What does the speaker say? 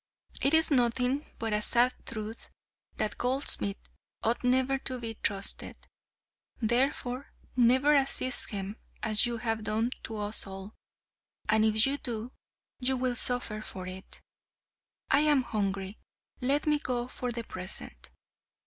It is nothing but a sad truth that goldsmiths ought never to be trusted. Therefore, never assist him as you have done to us all. And if you do, you will suffer for it. I am hungry; let me go for the present."